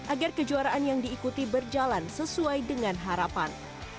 agar kejuaraan yang diikuti berjalan sesuai dengan harapan